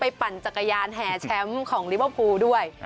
ปั่นจักรยานแห่แชมป์ของลิเวอร์พูลด้วย